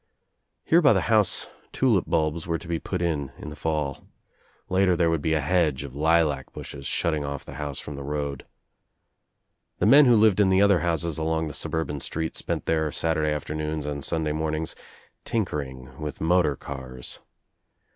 Here by the house tulip bulbs were to be put in in the faU. Later there would be a hedge of lilac bushes shutting off the house from the road. The men who lived in the other houses along the suburban street spent their Saturday afternoons and Sunday mornings tinkering, with motor cars.